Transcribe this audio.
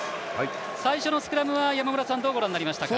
最初のスクラムは山村さんどうご覧になりましたか？